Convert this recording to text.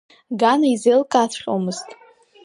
Гана изеилкааҵәҟьомызт.